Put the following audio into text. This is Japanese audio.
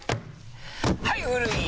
はい古い！